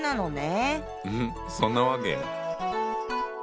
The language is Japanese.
うんそんなわけ！